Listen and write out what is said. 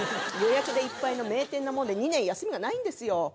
予約でいっぱいの名店なもんで２年休みがないんですよ。